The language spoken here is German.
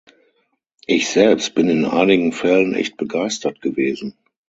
Ich selbst bin in einigen Fällen echt begeistert gewesen.